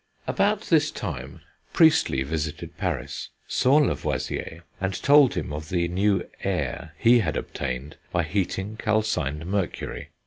About this time Priestley visited Paris, saw Lavoisier, and told him of the new "air" he had obtained by heating calcined mercury.